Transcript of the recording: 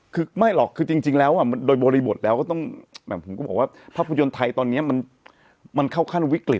ก็จะบอกวิกฤทธิ์ไทยก็เข้าขั้นวิกฤต